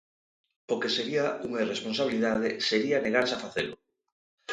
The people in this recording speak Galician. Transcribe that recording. O que sería unha irresponsabilidade sería negarse a facelo.